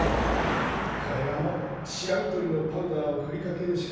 これはもうシラミ取りのパウダーをふりかけるしかないな。